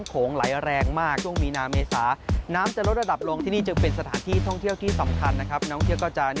โปรดติดตามตอนต่อไป